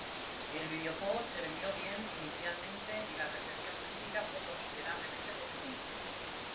El videojuego se vendió bien inicialmente y la recepción crítica fue considerablemente positiva.